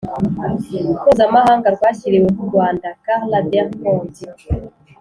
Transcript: Mpuzamahanga Rwashyiriweho u Rwanda, Carla Del Ponte